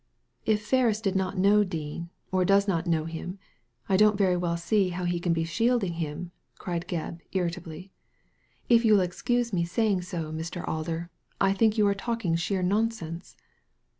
" If Ferris did not know Dean, or does not know him, I don't very well see how he can be shielding him !" cried Gebb, irritably. *' If you will excuse me saying so, Mr. Alder, I think you are talking sheer nonsense."